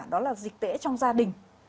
đó là dịch tễ trong gia đình